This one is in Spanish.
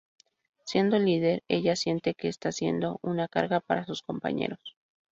Siendo líder, ella siente que está siendo una carga para sus compañeras.